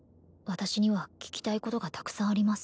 私には聞きたいことがたくさんあります